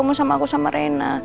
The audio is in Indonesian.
kamu sama aku sama reina